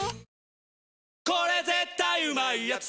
「日清これ絶対うまいやつ」